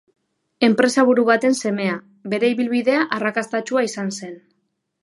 Enpresaburu baten semea, bere ibilbidea arrakastatsua izan zen.